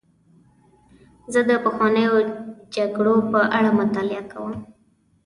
زه د پخوانیو جګړو په اړه مطالعه کوم.